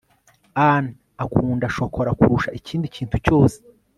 ann akunda shokora kurusha ikindi kintu cyose